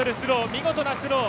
見事なスロー。